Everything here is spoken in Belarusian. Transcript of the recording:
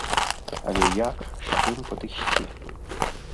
Але як, з чым падысці?